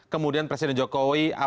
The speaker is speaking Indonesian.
kemudian presiden jokowi